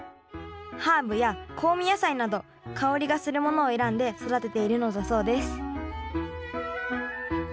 ハーブや香味野菜など香りがするものを選んで育てているのだそうです